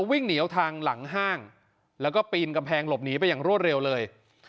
วิ่งเหนียวทางหลังห้างแล้วก็ปีนกำแพงหลบหนีไปอย่างรวดเร็วเลย